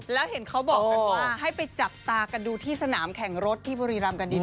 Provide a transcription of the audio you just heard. แล้วเห็นเขาบอกกันว่าให้ไปจับตากันดูที่สนามแข่งรถที่บุรีรำกันดี